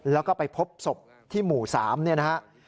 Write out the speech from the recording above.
และก็ไปพบสบที่หมู่๓นะครับ